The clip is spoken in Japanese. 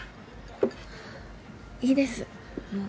いいですもう。